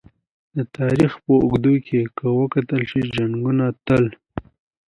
د تاریخ په اوږدو کې که وکتل شي! جنګونه تل